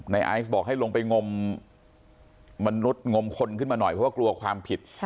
ไอซ์บอกให้ลงไปงมมนุษย์งมคนขึ้นมาหน่อยเพราะว่ากลัวความผิด